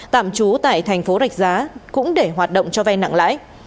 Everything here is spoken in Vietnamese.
tạm trú tại thành phố rạch giá cũng để hoạt động cho vay nặng lãi